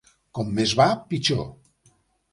Com més va, pitjor.